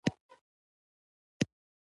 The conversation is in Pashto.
د "ساینسي او تاریخي سرچینو" پر بنسټ